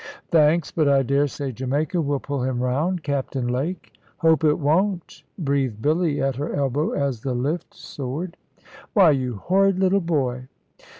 "Thanks! But I daresay Jamaica will pull him round, Captain Lake." "Hope it won't," breathed Billy, at her elbow, as the lift soared. "Why, you horrid little boy?"